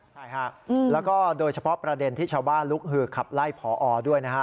ใช่ฮะแล้วก็โดยเฉพาะประเด็นที่ชาวบ้านลุกหือขับไล่พอด้วยนะฮะ